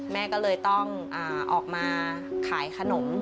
แม่ก็เลยต้องออกมาขายขนม